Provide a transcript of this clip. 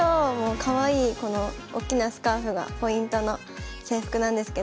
かわいいこのおっきなスカーフがポイントの制服なんですけどこれで。